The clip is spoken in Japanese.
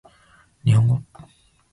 日本語